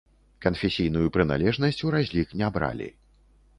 Канфесійную прыналежнасць у разлік не бралі.